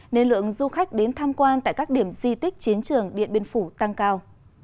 nên lượng du khách đến tham quan tại các điểm di tích chiến trường điện biên phủ tăng cao